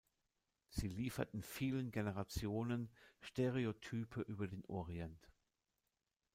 Sie lieferten vielen Generationen Stereotype über den Orient.